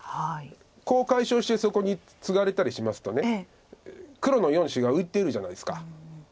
コウを解消してそこにツガれたりしますと黒の４子が浮いてるじゃないですか。